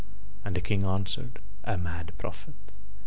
And the King answered: "A mad prophet."